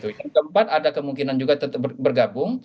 yang keempat ada kemungkinan juga tetap bergabung